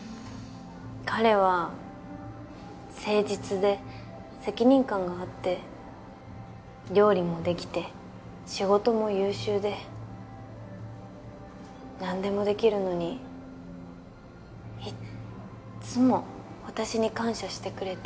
彼は誠実で責任感があって料理も出来て仕事も優秀で何でもできるのにいっつも私に感謝してくれて。